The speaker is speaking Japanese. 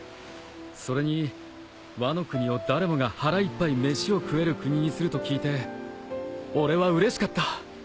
それにワノ国を誰もが腹いっぱい飯を食える国にすると聞いて俺はうれしかった。